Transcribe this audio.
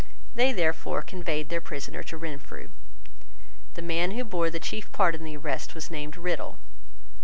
They therefore conveyed their prisoner to Renfrew. The man who bore the chief part in the arrest was named Riddell.